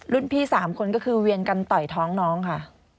พี่๓คนก็คือเวียนกันต่อยท้องน้องค่ะ